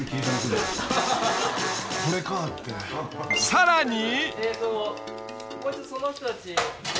［さらに］